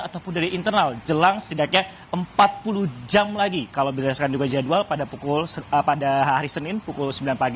ataupun dari internal jelang sidaknya empat puluh jam lagi kalau berdasarkan juga jadwal pada hari senin pukul sembilan pagi